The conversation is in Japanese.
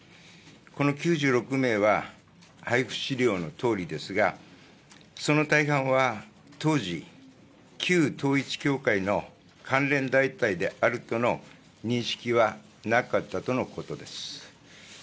この９６名は、配布資料のとおりですが、その大半は当時、旧統一教会の関連団体であるとの認識はなかったとのことです。